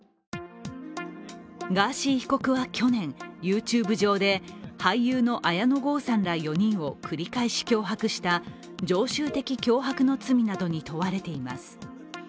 ガーシー被告は去年、ＹｏｕＴｕｂｅ上で俳優の綾野剛さんら４人を繰り返し脅迫した常習的脅迫の罪などに問われています。